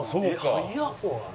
早っ！